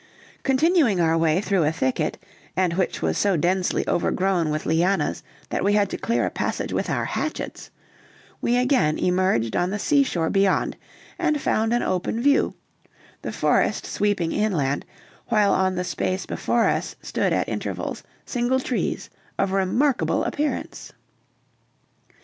Continuing our way through a thicket, and which was so densely overgrown with lianas that we had to clear a passage with our hatchets, we again emerged on the seashore beyond, and found an open view, the forest sweeping inland, while on the space before us stood at intervals single trees of remarkable appearance.